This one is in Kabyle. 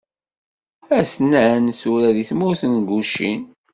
a-ten-an tura di tmurt n Gucin.